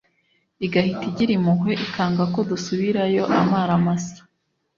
igahita igira impuhwe ikanga ko dusubirayo amara masa